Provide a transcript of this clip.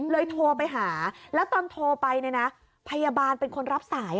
โทรไปหาแล้วตอนโทรไปเนี่ยนะพยาบาลเป็นคนรับสาย